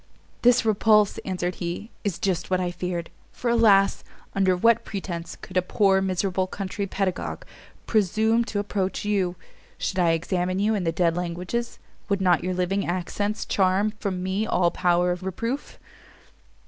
"This repulse," answered he, "is just what I feared; for alas! under what pretence could a poor miserable country pedagogue presume to approach you? Should I examine you in the dead languages, would not your living accents charm from me all power of reproof?